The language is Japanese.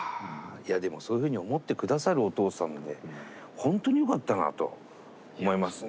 いやでもそういうふうに思って下さるお父さんでほんとによかったなと思いますね。